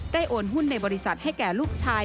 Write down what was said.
โอนหุ้นในบริษัทให้แก่ลูกชาย